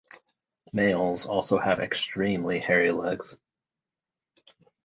Males also have extremely hairy legs.